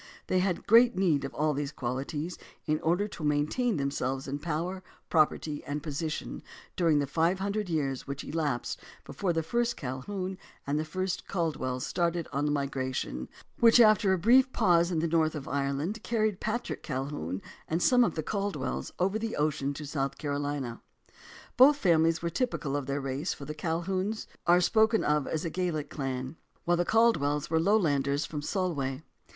They had great need of all these qualities in order to maintain themselves in power, property, and position during the five hun dred years which elapsed before the first Calhoun and the first Caldwell started on the migration which, after a brief pause in the north of Ireland, carried Patrick Calhoun and some of the Caldwells over the ocean to South Carolina. Both famihes were typical of their race, for the Colquhouns are spoken of as a Gaelic clan, while the Caldwells were Lowlanders from the Solway.